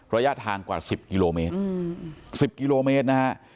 ระยะทางกว่า๑๐กิโลเมตร๑๐กิโลเมตรนะฮะ